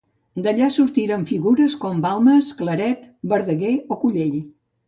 D'allà sortirien figures com Balmes, Claret, Verdaguer o Collell.